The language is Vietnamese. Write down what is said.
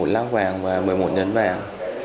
một lác vàng và một mươi một nhấn vàng